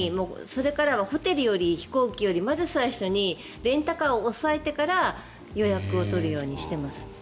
それからホテルより飛行機よりまず最初にレンタカーを押さえてから予約を取るようにしています。